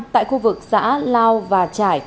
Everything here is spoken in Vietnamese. tại khu vực xã lao và trải